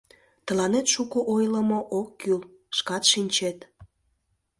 Тыланет шуко ойлымо ок кӱл, шкат шинчет...